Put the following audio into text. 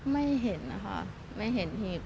ไม่เห็นค่ะไม่เห็นหี่บ